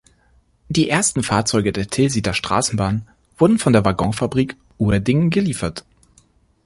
Die ersten Fahrzeuge der Tilsiter Straßenbahn wurden von der Waggonfabrik Uerdingen geliefert.